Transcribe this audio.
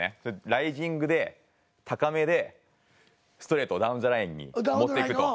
ライジングで高めでストレートダウンザラインに持っていくと。